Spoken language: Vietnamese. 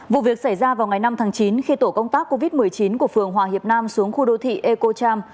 vụ việc xảy ra vào ngày năm tháng chín khi tổ công tác covid một mươi chín của phường hòa hiệp nam xuống khu đô thị ecocham